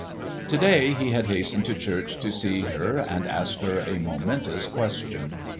To day he had hastened to church to see her and ask her a momentous question.